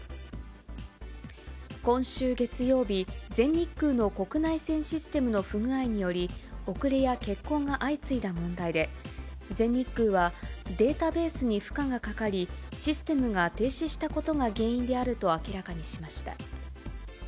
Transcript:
今週月曜日、全日空の国内線システムの不具合により、遅れや欠航が相次いだ問題で、全日空は、データベースに負荷がかかり、システムが停止したことが原因であると明らかにしました。